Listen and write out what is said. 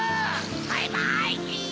バイバイキン！